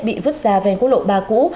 bị vứt ra ven quốc lộ ba cũ